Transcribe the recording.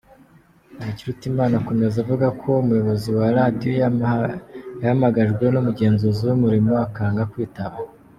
Ntakirutimana akomeza avuga ko umuyobozi wa radiyo yahamagajwe n’umugenzuzi w’Umurimo akanga kwitaba.